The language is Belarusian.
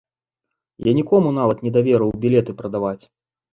Я нікому нават не даверыў білеты прадаваць.